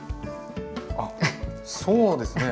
あっそうですね。